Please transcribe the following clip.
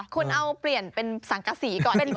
คุณเอาเปลี่ยนเป็นสังกษีก่อนดีกว่า